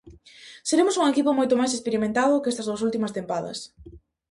Seremos un equipo moito máis experimentado que estas dúas últimas tempadas.